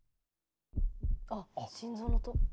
あっ心臓の音。